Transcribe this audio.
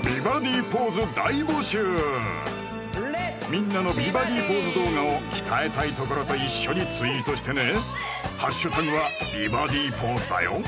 みんなの美バディポーズ動画を鍛えたいところと一緒にツイートしてね＃は美バディポーズだよ